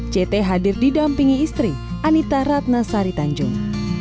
ct hadir didampingi istri anita ratna sari tanjung